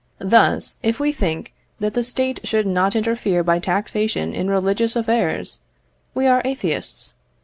Thus, if we think that the State should not interfere by taxation in religious affairs, we are atheists.